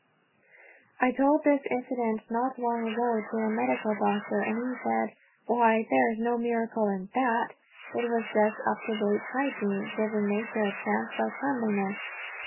I told this incident not long ago to a medical doctor, and he said: "Why, there is no miracle in that! It was just up to date hygiene giving nature a chance by cleanliness!"